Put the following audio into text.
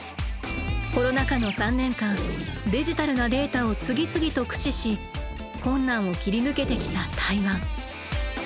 コロナ禍の３年間デジタルなデータを次々と駆使し困難を切り抜けてきた台湾。